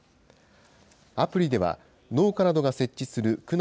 アプリでは農家などが設置する区内